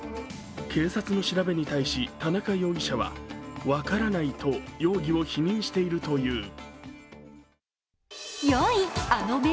警察の調べに対し田中容疑者は分からないと、容疑を否認しているという。